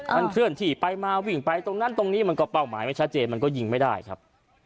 มันเคลื่อนที่ไปมาวิ่งไปตรงนั้นตรงนี้มันก็เป้าหมายไม่ชัดเจนมันก็ยิงไม่ได้ครับ